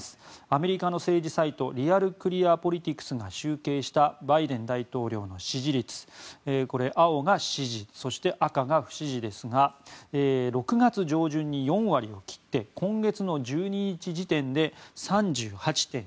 アメリカの政治サイトリアル・クリア・ポリティクスが集計したバイデン大統領の支持率青が支持、赤が不支持ですが６月上旬に４割を切って今月の１２日時点で３８．２％です。